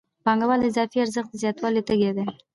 پانګوال د اضافي ارزښت د زیاتوالي تږی دی